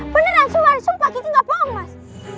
beneran soal sumpah gitu gak bohong mas